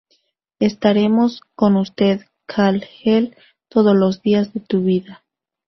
Estaremos con usted, Kal-El, todos los días de tu vida.